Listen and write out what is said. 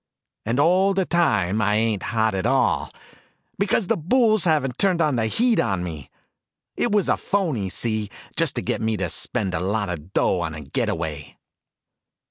And all the time, I ain't hot at all, because the bulls haven't turned the heat on me. It was a phoney, see, just to get me to spend a lot of dough on a get away."